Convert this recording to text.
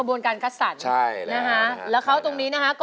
มอมอมอมอมอมอมอมอมอมอมอมอมอมอ